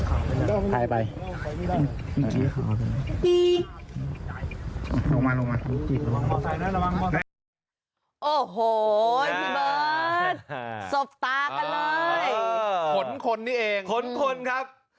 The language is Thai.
โอ้โหพี่เบิร์ตสบตากันเลยขนคนนี้เองขนคนครับ